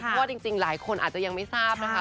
เพราะว่าจริงหลายคนอาจจะยังไม่ทราบนะคะ